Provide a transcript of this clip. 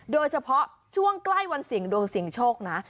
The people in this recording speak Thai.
โดยเฉพาะช่วงใกล้วันสิงษ์ไม่ดวสิงโชคนะ